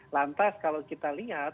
lantas kalau kita lihat